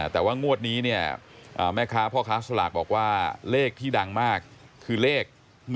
แต่ว่างวดนี้เนี่ยแม่ค้าพ่อค้าสลากบอกว่าเลขที่ดังมากคือเลข๑๒